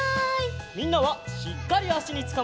みんなはしっかりあしにつかまって！